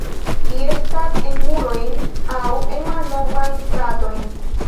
Ili estas en murojn aŭ en malnovajn stratojn.